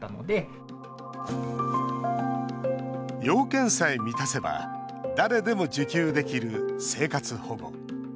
要件さえ満たせば誰でも受給できる生活保護。